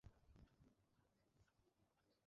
পূজা একদম আলাদা মেয়ে।